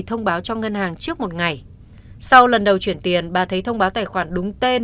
thông báo cho ngân hàng trước một ngày sau lần đầu chuyển tiền bà thấy thông báo tài khoản đúng tên